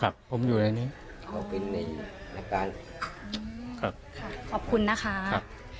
ครับผมอยู่ในนี้ก็เป็นในรายการครับค่ะขอบคุณนะคะครับ